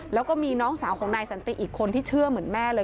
แล้วก็มีน้องสาวของนายสันติอีกคนที่เชื่อเหมือนแม่เลย